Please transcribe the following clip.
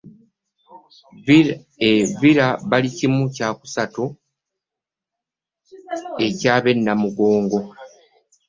Villa baali kimu kyakusatu eky'abe Namugongo.